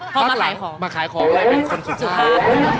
เพราะมาขายของมาขายของแล้วเป็นคนสุภาพ